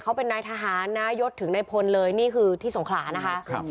เขาเป็นนายทหารนะยศถึงในพลเลยนี่คือที่สงขลานะคะ